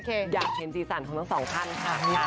เท่าที่สั่นของทั้งค่ะ